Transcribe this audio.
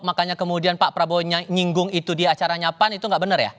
makanya kemudian pak prabowo nyenggung itu di acara nyapan itu enggak benar ya